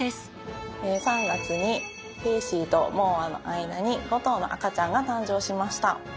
３月にケーシーとモーアの間に５頭の赤ちゃんが誕生しました。